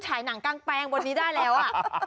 ฉายหนังกลางแปงบนนี้ได้แล้วนะ